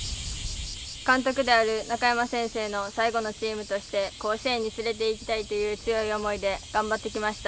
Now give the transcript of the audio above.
監督である中山先生の最後のチームとして甲子園に連れていきたいという強い思いで頑張ってきました。